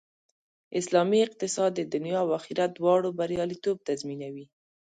اسلامي اقتصاد د دنیا او آخرت دواړو بریالیتوب تضمینوي